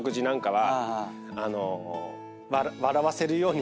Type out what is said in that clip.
は